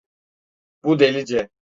Bu delice.